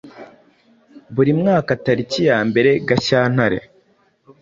Buri mwaka tariki ya mbere Gashyantare,